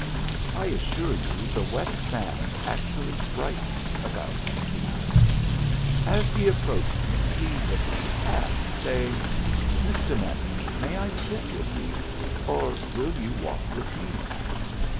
I assure you the wet sand actually brightened about his feet! As he approached me he lifted his hat, saying, "Miss Dement, may I sit with you? or will you walk with me?"